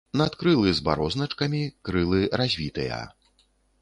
Надкрылы з барозначкамі, крылы развітыя.